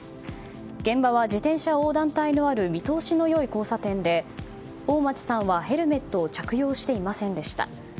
現場は自転車横断帯のある見通しの良い交差点で大町さんはヘルメットを着用していませんでした。